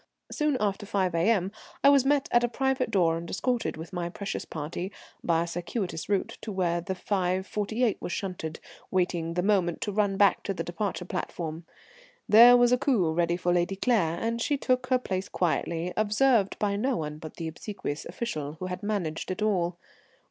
Soon after 5 A.M. I was met at a private door and escorted, with my precious party, by a circuitous route to where the 5.48 was shunted, waiting the moment to run back to the departure platform. There was a coupé ready for Lady Claire, and she took her place quietly, observed by no one but the obsequious official who had managed it all.